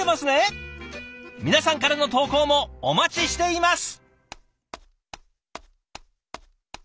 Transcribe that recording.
皆さんからの投稿もお待ちしています！